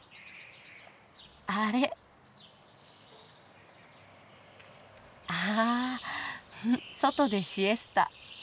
あれ？あフフッ外でシエスタ。